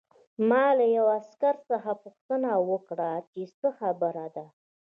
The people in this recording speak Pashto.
ما له یوه عسکر څخه پوښتنه وکړه چې څه خبره ده